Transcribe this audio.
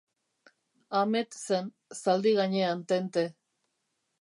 Ahmet zen, zaldi gainean tente.